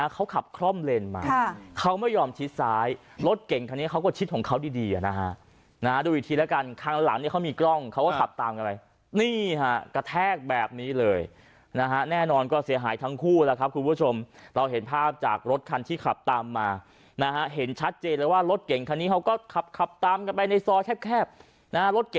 เขาขับคล่อมเลนมาเขาไม่ยอมชิดซ้ายรถเก่งคันนี้เขาก็ชิดของเขาดีนะฮะดูอีกทีแล้วกันครั้งหลังเนี่ยเขามีกล้องเขาก็ขับตามกันไปนี่ฮะกระแทกแบบนี้เลยนะฮะแน่นอนก็เสียหายทั้งคู่แล้วครับคุณผู้ชมเราเห็นภาพจากรถคันที่ขับตามมานะฮะเห็นชัดเจนเลยว่ารถเก่งคันนี้เขาก็ขับขับตามกันไปในซอยแคบนะฮะรถเก